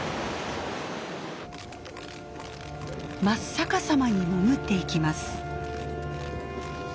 真っ逆さまに潜っていきます。